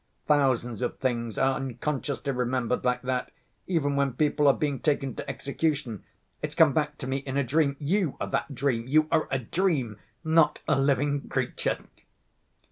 Thousands of things are unconsciously remembered like that even when people are being taken to execution ... it's come back to me in a dream. You are that dream! You are a dream, not a living creature!"